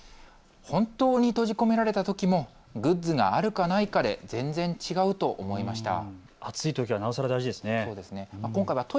本当に閉じ込められたときもグッズがあるかないかで全然、違うと思いました。